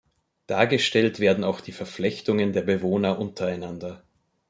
Dargestellt werden auch die Verflechtungen der Bewohner untereinander.